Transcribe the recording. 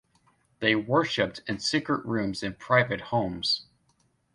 They worshipped in secret rooms in private homes.